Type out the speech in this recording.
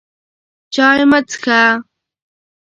چای مه څښه!